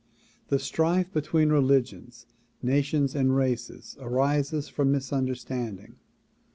The strife between religions, nations and races arises from misunderstanding.